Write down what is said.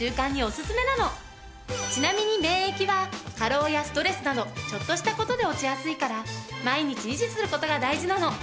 ちなみに免疫は過労やストレスなどちょっとした事で落ちやすいから毎日維持する事が大事なの。